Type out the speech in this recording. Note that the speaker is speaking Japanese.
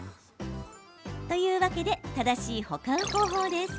というわけで正しい保管方法です。